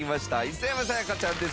磯山さやかちゃんです。